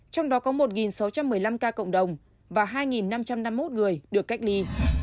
trong đó có một sáu trăm một mươi năm ca cộng đồng và hai năm trăm năm mươi một người được cách ly